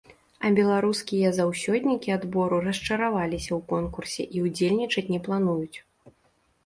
А беларускія заўсёднікі адбору расчараваліся ў конкурсе і ўдзельнічаць не плануюць.